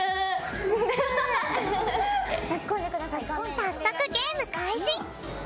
早速ゲーム開始。